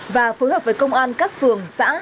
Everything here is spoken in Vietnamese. và phối hợp với công an các phường xã